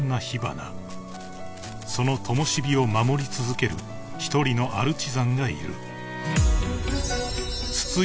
［その灯を守り続ける一人のアルチザンがいる］